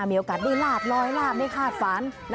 มีโอกาสได้ลาบลอยลาบไม่คาดฝัน